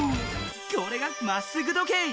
これが「まっすぐ時計」。